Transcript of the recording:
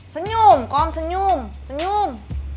senyum kom senyum senyum